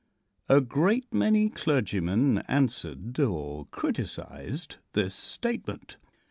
A great many clergymen answered or criticised this statement.